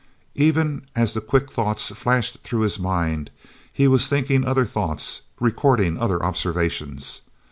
ven as the quick thoughts flashed through his mind, he was thinking other thoughts, recording other observations.